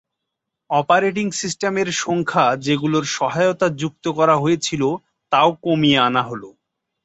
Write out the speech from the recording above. Operating system এর সংখ্যা যেগুলোর সহায়তা যুক্ত করা হয়েছিল তাও কমিয়ে আনা হল।